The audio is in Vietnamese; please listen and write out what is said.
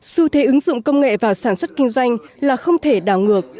sưu thế ứng dụng công nghệ vào sản xuất kinh doanh là không thể đảo ngược